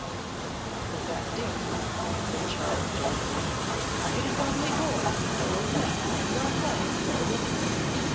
'The fact is,' said Charles Doricourt, 'it is only boys and old men who are plagued by women.